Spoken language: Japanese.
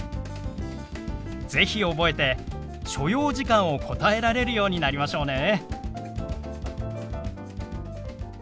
是非覚えて所要時間を答えられるようになりましょうね。